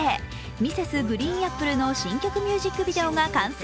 Ｍｒｓ．ＧＲＥＥＮＡＰＰＬＥの新曲ミュージックビデオが完成。